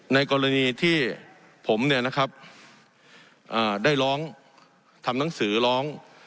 ในกรณีที่ผมเนี่ยนะครับได้ร้องทำหนังสือร้อง